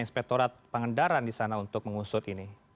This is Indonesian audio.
inspektorat pengendara di sana untuk mengusut ini